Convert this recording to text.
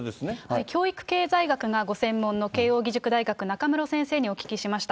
教育経済学がご専門の慶應義塾大学、中室先生にお聞きしました。